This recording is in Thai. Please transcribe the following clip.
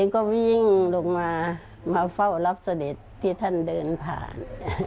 ก็วิ่งลงมามาเฝ้ารับเสด็จที่ท่านเดินผ่าน